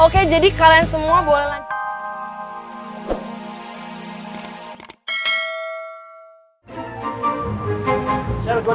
oke jadi kalian semua boleh lantas